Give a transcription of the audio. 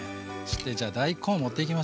じゃあ大根を盛っていきましょう。